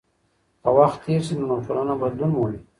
که وخت تېر سي نو ټولنه بدلون مومي.